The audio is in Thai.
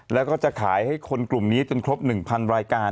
แล้วก็จะขายให้คนกลุ่มนี้จนครบ๑๐๐รายการ